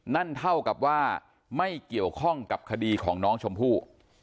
นั่นเท่ากับว่าไม่เกี่ยวข้องกับคดีของน้องชมพู่